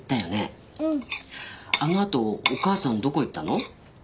うんあのあとお母さんどこ行ったの？